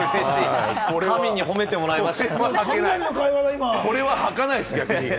神に褒めてもらいました！